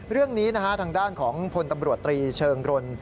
เรื่องนี้นะฮะทางด้านของพลตำรวจตรีเชิงรน